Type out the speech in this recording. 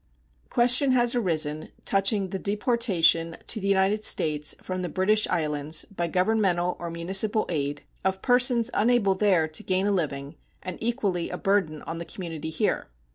Question has arisen touching the deportation to the United States from the British Islands, by governmental or municipal aid, of persons unable there to gain a living and equally a burden on the community here.